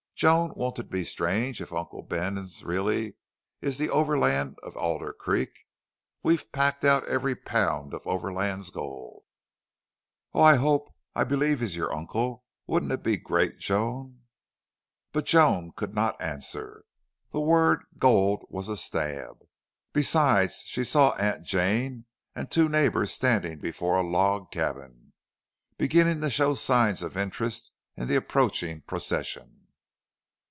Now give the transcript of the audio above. "Joan, won't it be strange if Uncle Bill really is the Overland of Alder Creek? We've packed out every pound of Overland's gold. Oh! I hope I believe he's your uncle.... Wouldn't it be great, Joan?" But Joan could not answer. The word gold was a stab. Besides, she saw Aunt Jane and two neighbors standing before a log cabin, beginning to show signs of interest in the approaching procession.